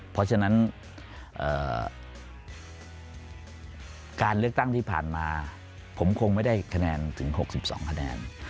เพราะฉะนั้นการเลือกตั้งที่ผ่านมาผมคงไม่ได้คะแนนถึง๖๒คะแนน